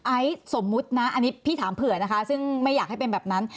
ไอซ์สมมุตินะอันนี้พี่ถามเผื่อนะคะซึ่งไม่อยากให้เป็นแบบนั้น